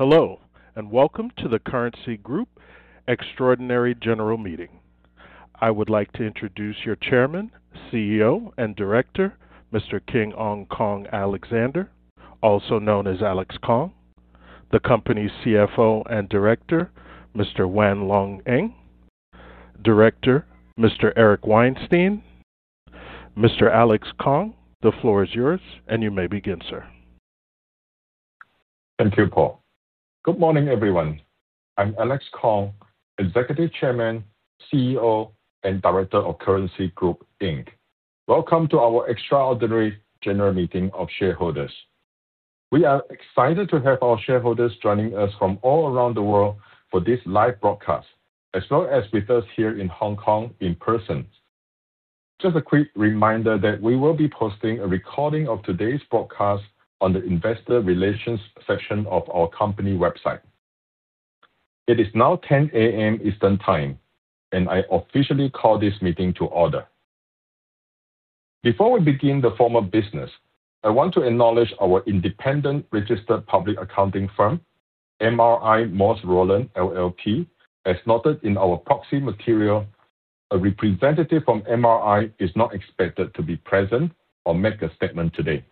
Hello, welcome to the CURRENC Group Extraordinary General Meeting. I would like to introduce your Chairman, CEO, and Director, Mr. King Ong Kong Alexander, also known as Alex Kong. The company's CFO and Director, Mr. Wan Lung Eng. Director, Mr. Eric Weinstein. Mr. Alex Kong, the floor is yours, and you may begin, sir. Thank you, Paul. Good morning, everyone. I'm Alex Kong, Executive Chairman, CEO, and Director of CURRENC Group Inc. Welcome to our Extraordinary General Meeting of Shareholders. We are excited to have our shareholders joining us from all around the world for this live broadcast, as well as with us here in Hong Kong in person. Just a quick reminder that we will be posting a recording of today's broadcast on the Investor Relations section of our company website. It is now 10:00 A.M. Eastern Time. I officially call this meeting to order. Before we begin the formal business, I want to acknowledge our independent registered public accounting firm, MRI Moores Rowland LLP. As noted in our proxy material, a representative from MRI is not expected to be present or make a statement today.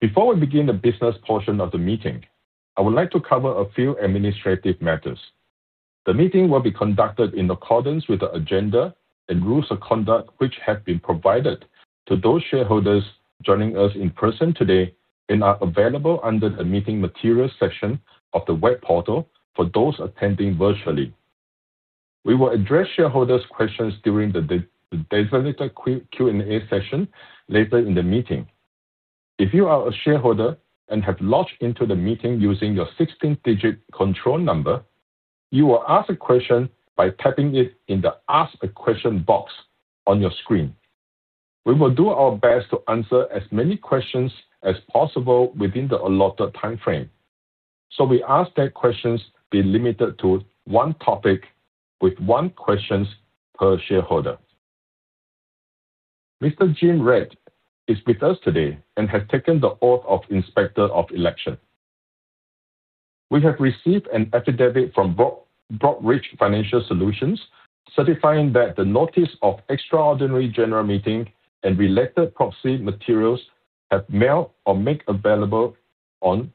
Before we begin the business portion of the meeting, I would like to cover a few administrative matters. The meeting will be conducted in accordance with the agenda and rules of conduct, which have been provided to those shareholders joining us in person today and are available under the Meeting Materials section of the web portal for those attending virtually. We will address shareholders' questions during the designated Q&A session later in the meeting. If you are a shareholder and have logged into the meeting using your 16-digit control number, you will ask a question by typing it in the Ask a Question box on your screen. We will do our best to answer as many questions as possible within the allotted timeframe. We ask that questions be limited to one topic with one questions per shareholder. Mr. Jim Reid is with us today and has taken the oath of Inspector of Election. We have received an affidavit from Broadridge Financial Solutions, certifying that the notice of extraordinary general meeting and related proxy materials have mailed or made available on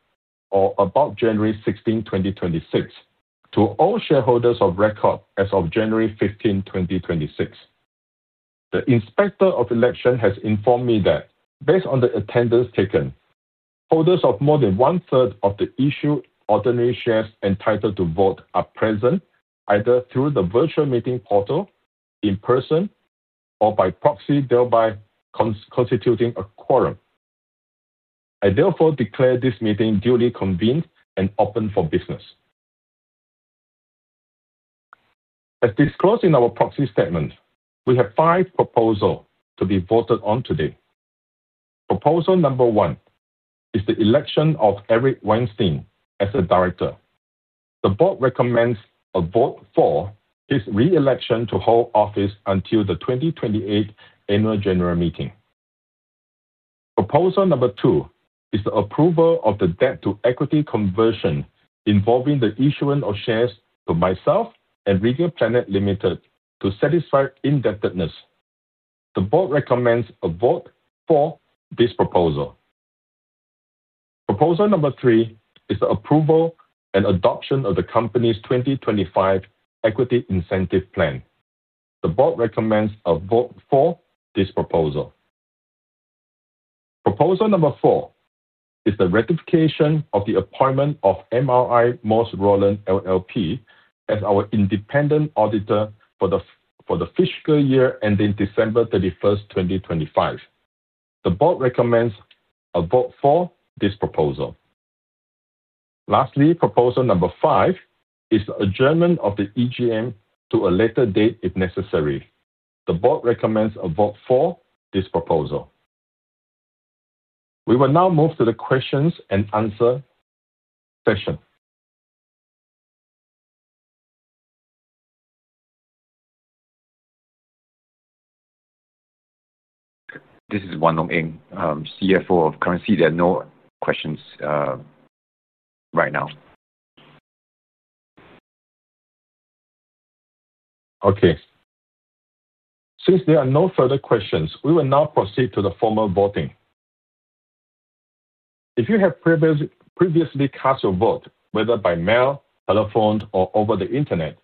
or about January 16, 2026, to all shareholders of record as of January 15, 2026. The Inspector of Election has informed me that based on the attendance taken, holders of more than one-third of the issued ordinary shares entitled to vote are present, either through the virtual meeting portal, in person, or by proxy, thereby constituting a quorum. I therefore declare this meeting duly convened and open for business. As disclosed in our proxy statement, we have five proposal to be voted on today. Proposal number one is the election of Eric Weinstein as a director. The board recommends a vote for his re-election to hold office until the 2028 Annual General Meeting. Proposal 2 is the approval of the debt to equity conversion, involving the issuance of shares to myself and Regal Planet Limited to satisfy indebtedness. The board recommends a vote for this proposal. Proposal 3 is the approval and adoption of the company's 2025 Equity Incentive Plan. The board recommends a vote for this proposal. Proposal 4 is the ratification of the appointment of MRI Moores Rowland LLP as our independent auditor for the fiscal year ending December 31st, 2025. The board recommends a vote for this proposal. Lastly, proposal 5 is the adjournment of the EGM to a later date, if necessary. The board recommends a vote for this proposal. We will now move to the questions and answer session. This is Wan Lung Eng, CFO of CURRENC Group. There are no questions, right now. Okay. Since there are no further questions, we will now proceed to the formal voting. If you have previously cast your vote, whether by mail, telephone, or over the internet,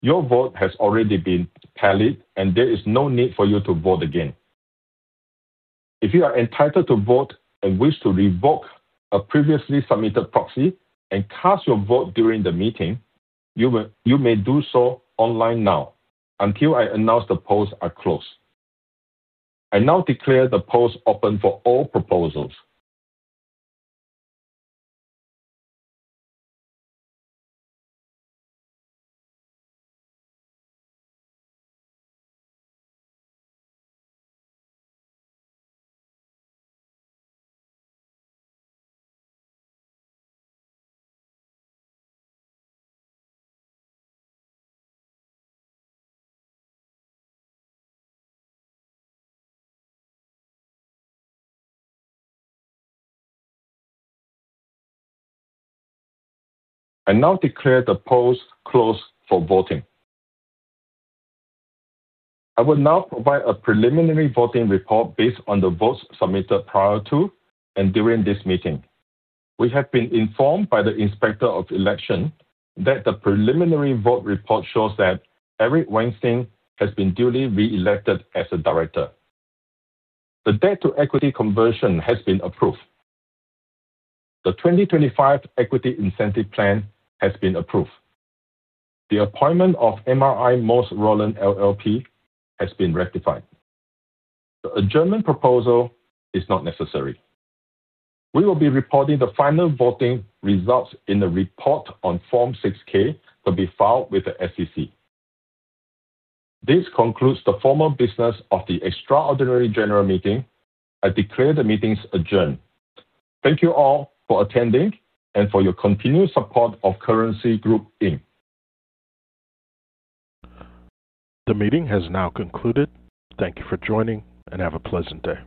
your vote has already been tallied, and there is no need for you to vote again. If you are entitled to vote and wish to revoke a previously submitted proxy and cast your vote during the meeting, you may do so online now until I announce the polls are closed. I now declare the polls open for all proposals. I now declare the polls closed for voting. I will now provide a preliminary voting report based on the votes submitted prior to and during this meeting. We have been informed by the Inspector of Election that the preliminary vote report shows that Eric Weinstein has been duly re-elected as a director. The debt to equity conversion has been approved. The 2025 Equity Incentive Plan has been approved. The appointment of MRI Moores Rowland LLP has been ratified. The adjournment proposal is not necessary. We will be reporting the final voting results in the report on Form 6-K to be filed with the SEC. This concludes the formal business of the extraordinary general meeting. I declare the meeting's adjourned. Thank you all for attending and for your continued support of CURRENC Group Inc. The meeting has now concluded. Thank you for joining, and have a pleasant day.